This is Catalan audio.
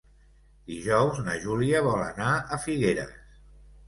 Dijous na Júlia vol anar a Figueres.